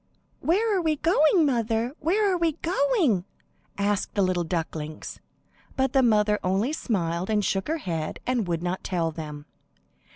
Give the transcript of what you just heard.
"Where are we going, mother? Where are we going?" asked the little ducklings. But the mother only smiled and shook her head and would not tell them.